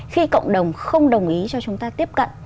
khi cộng đồng không đồng ý cho chúng ta tiếp cận